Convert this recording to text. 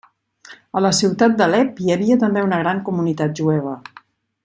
A la ciutat d'Alep hi havia també una gran comunitat jueva.